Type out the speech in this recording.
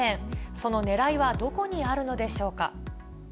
そのねらいはどこにあるのでしょうか。